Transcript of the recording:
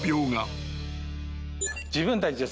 自分たち。へ。